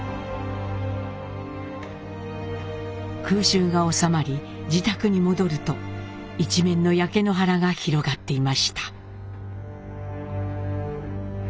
空襲が収まり自宅に戻ると一面の焼け野原が広がっていました。